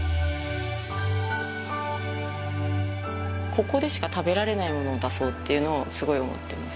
ここでしか食べられないものを出そうっていうのをすごい思ってます